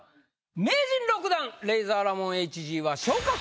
名人６段レイザーラモンＨＧは。